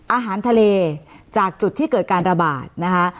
อาหารทะเลจากจุดที่เกิดการระบาดนะคะ